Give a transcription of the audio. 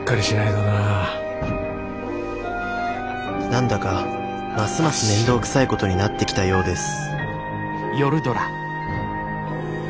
何だかますます面倒くさいことになってきたようです